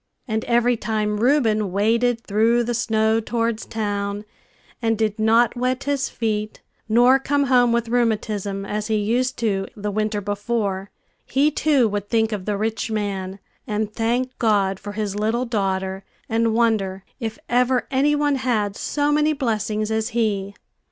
And every time Reuben waded through the snow towards town, and did not wet his feet, nor come home with rheumatism, as he used to the winter before, he, too, would think of the rich man, and thank God for his little daughter, and wonder if ever any one had so many blessings as he.